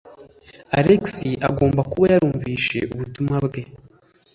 Alex agomba kuba yarumvise ubutumwa bwe.